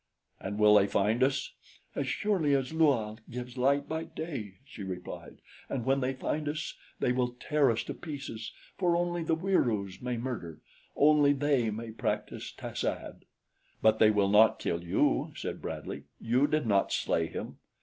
"And will they find us?" "As surely as Lua gives light by day," she replied; "and when they find us, they will tear us to pieces, for only the Wieroos may murder only they may practice tas ad." "But they will not kill you," said Bradley. "You did not slay him."